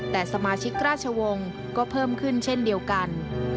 แต่สมาชิกราชวงศ์ก็เพิ่มขึ้นเช่นเดียวกัน